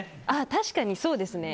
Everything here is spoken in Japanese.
確かに、そうですね。